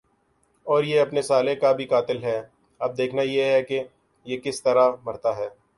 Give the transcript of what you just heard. اور یہ اپنے سالے کا بھی قاتل ھے۔ اب دیکھنا یہ ھے کہ یہ کس طرع مرتا ھے۔